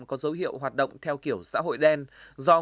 có dấu hiệu hoạt động theo kiểu xã hội đen do nguyễn xuân hiệu